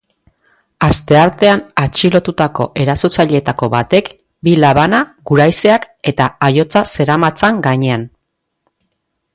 Asteartean atxilotutako erasotzaileetako batek bi labana, guraizeak eta aihotza zeramatzan gainean.